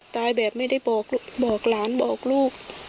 ตายแบบไม่ได้บอกหลานบอกลูก